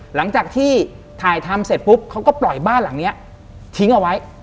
หลังจากที่ถ่ายทำเสร็จปุ๊บเขาก็ปล่อยบ้านหลังนี้ทิ้งเอาไว้